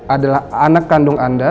adalah anak kandung anda